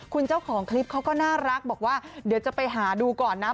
คุณเจ้าของคลิปเขาก็น่ารักบอกว่าเดี๋ยวจะไปหาดูก่อนนะ